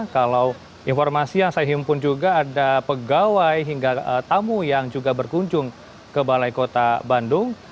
kalau informasi yang saya himpun juga ada pegawai hingga tamu yang juga berkunjung ke balai kota bandung